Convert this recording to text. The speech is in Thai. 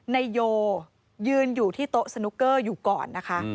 นายโยยืนอยู่ที่โต๊ะสนุกเกอร์อยู่ก่อนนะคะ